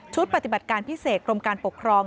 ปฏิบัติการพิเศษกรมการปกครอง